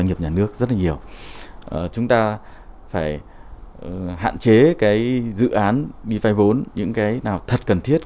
hạn chế dự án đi vay vốn những cái nào thật cần thiết